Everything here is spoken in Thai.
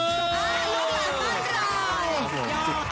ยอม